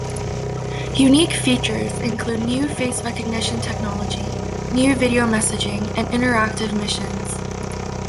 Unique features include new face recognition technology, new video messaging, and interactive missions.